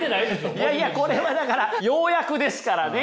いやいやこれはだから要約ですからね！